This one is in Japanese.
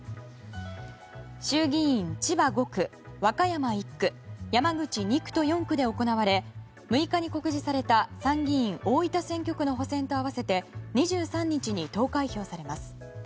衆議院千葉５区、和歌山１区山口２区と４区で行われ６日に告示された参議院大分選挙区の補選と合わせて２３日に投開票されます。